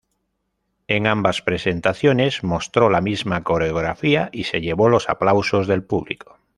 En ambas presentaciones mostró la misma coreografía y se llevó los aplausos del público.